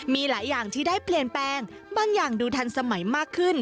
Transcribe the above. มีหลายอย่างที่ได้เปลี่ยนแปลงบางอย่างดูทันสมัยมากขึ้น